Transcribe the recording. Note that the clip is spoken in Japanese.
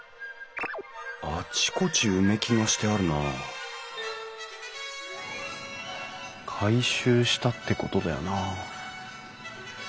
あちこち埋木がしてあるな改修したってことだよな。